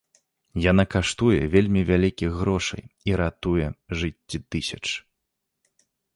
Яна каштуе вельмі вялікіх грошай і ратуе жыцці тысяч.